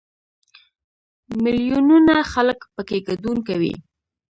میلیونونه خلک پکې ګډون کوي.